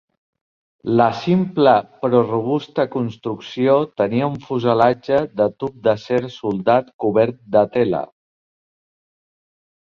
La simple però robusta construcció tenia un fuselatge de tub d'acer soldat cobert de tela.